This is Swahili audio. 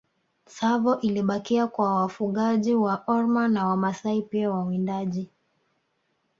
Tsavo ilibakia kwa wafugaji wa Orma na Wamasai pia wawindaji